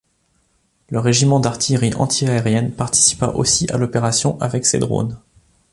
Le Régiment d'artillerie antiaérienne participa aussi à l'opération avec ses drones.